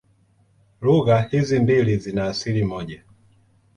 Lugha hizi mbili zina asili moja.